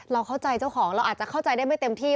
เราเข้าใจเจ้าของเราอาจจะเข้าใจได้ไม่เต็มที่